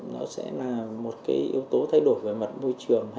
nó sẽ là một cái yếu tố thay đổi về mặt môi trường